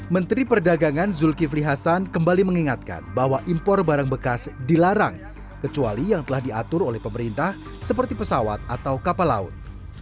menteri perdagangan zulkifli hasan kembali mengingatkan bahwa impor barang bekas dilarang kecuali yang telah diatur oleh pemerintah seperti pesawat atau kapal laut